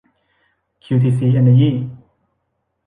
คิวทีซี เอนเนอร์ยี่